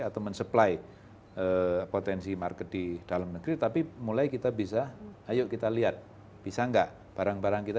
atau mensupply potensi market di dalam negeri tapi mulai kita bisa ayo kita lihat bisa enggak barang barang kita